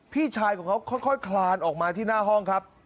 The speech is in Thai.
พี่ชายของเขาค่อยคลานออกมาที่หน้าห้องครับ